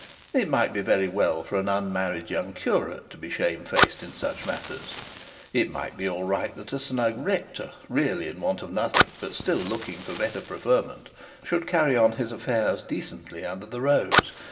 It might be very well for an unmarried young curate to be shamefaced in such matters; it might be all right that a smug rector, really in want of nothing, but still looking for better preferment, should carry out his affairs decently under the rose.